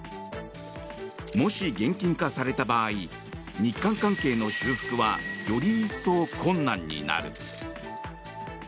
もし、現金化された場合日韓関係の修復はより一層困難になる。